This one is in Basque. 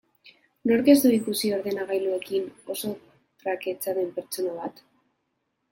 Nork ez du ikusi ordenagailuekin oso traketsa den pertsona bat?